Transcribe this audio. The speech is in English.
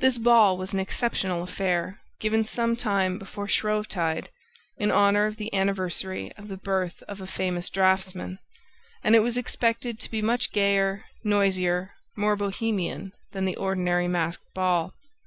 This ball was an exceptional affair, given some time before Shrovetide, in honor of the anniversary of the birth of a famous draftsman; and it was expected to be much gayer, noisier, more Bohemian than the ordinary masked ball.